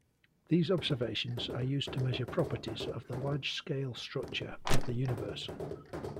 These observations are used to measure properties of the large-scale structure of the universe.